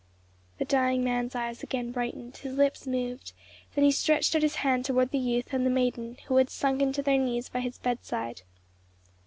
The dying man's eyes again brightened, his lips moved; then he stretched out his hand toward the youth and the maiden, who had sunken to their knees by his bedside.